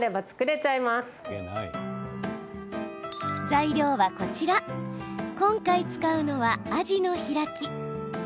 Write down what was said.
材料は、こちら今回使うのは、あじの開き。